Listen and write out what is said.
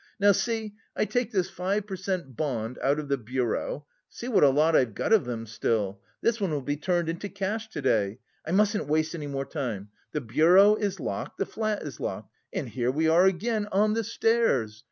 Now, see! I take this five per cent bond out of the bureau see what a lot I've got of them still this one will be turned into cash to day. I mustn't waste any more time. The bureau is locked, the flat is locked, and here we are again on the stairs.